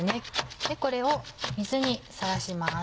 これを水にさらします。